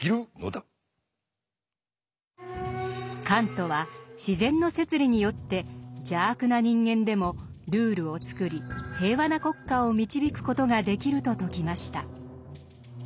カントは自然の摂理によって邪悪な人間でもルールを作り平和な国家を導く事ができると説きました。